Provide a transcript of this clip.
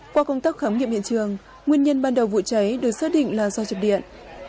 qua công tác khám nghiệm hiện trường nguyên nhân ban đầu vụ cháy được xác định là do chập điện